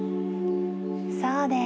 そうです。